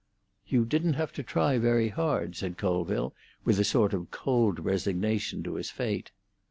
"You didn't have to try very hard," said Colville, with a sort of cold resignation to his fate.